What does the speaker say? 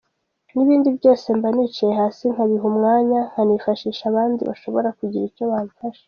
N’ibindi byose mba nicaye hasi nkabiha umwanya nkanifashisha abandi bashobora kugira icyo bamfasha.